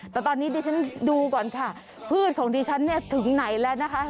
แต่ตอนนี้ดิฉันดูก่อนค่ะพืชของดิฉันเนี่ยถึงไหนแล้วนะคะ